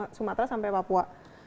dari sumatera sampai papua